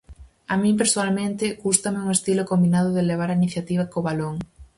A min persoalmente gústame un estilo combinado de levar a iniciativa co balón.